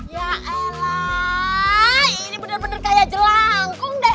ya elah ini bener bener kayak jelangkung deh